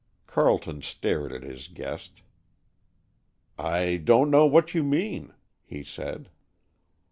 Carleton stared at his guest. "I don't know what you mean," he said.